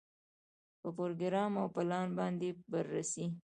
په پروګرام او پلان باندې بررسي.